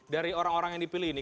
dari orang orang yang dipilih ini